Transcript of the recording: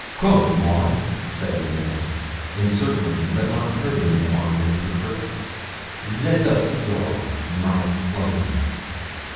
'Come, Maud,' said Madame, encircling but not hurting my arm with her grip; 'let us go, my friend.'